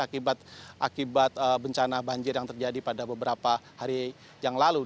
akibat bencana banjir yang terjadi pada beberapa hari yang lalu